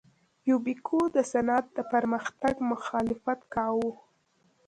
یوبیکو د صنعت د پرمختګ مخالفت کاوه.